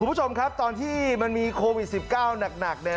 คุณผู้ชมครับตอนที่มันมีโควิด๑๙หนักเนี่ย